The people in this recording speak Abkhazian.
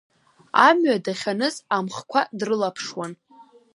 Амҩа дахьаныз, амхқәа дрылаԥшуан.